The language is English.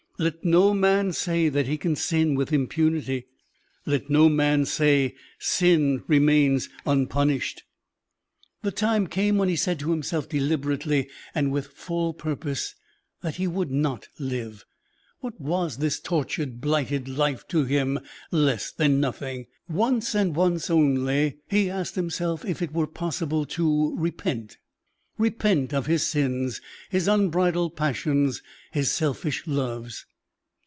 Let no man say that he can sin with impunity; let no man say sin remains unpunished. The time came when he said to himself, deliberately, and with full purpose, that he would not live. What was this tortured, blighted life to him? Less than nothing. Once, and once only, he asked himself if it were possible to repent repent of his sins, his unbridled passions, his selfish loves?